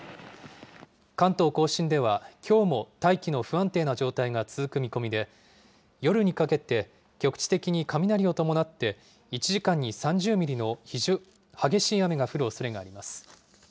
関東甲信では、きょうも大気の不安定な状態が続く見込みで、夜にかけて局地的に雷を伴って、１時間に３０ミリの激しい雨が降るおそれがあります。